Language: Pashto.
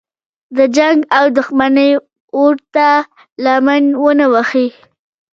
د جنګ او دښمنۍ اور ته لمن ونه وهي.